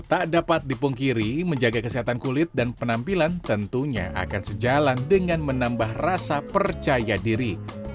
tak dapat dipungkiri menjaga kesehatan kulit dan penampilan tentunya akan sejalan dengan menambah rasa percaya diri